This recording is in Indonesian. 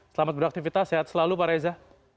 selamat beraktivitas sehat selalu pak reza